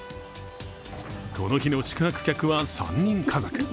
この日の宿泊客は３人家族。